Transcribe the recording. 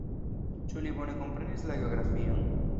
Ĉu li bone komprenis la geografion?